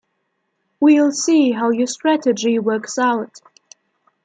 We'll see how your strategy works out.